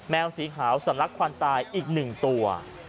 สีขาวสำลักควันตายอีก๑ตัว